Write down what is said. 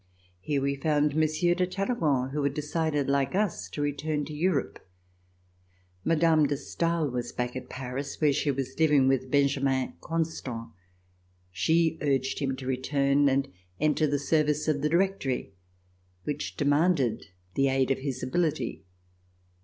Here, we found Monsieur de Talleyrand, who had decided, like us, to return to Europe. Mme. de Stael was back at Paris, where she was living with Benjamin Constant. She urged him to return and enter the service of the Directory which demanded the aid of his ability.